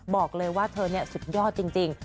บอกเลยว่าเธอนี่สุดยอดจริง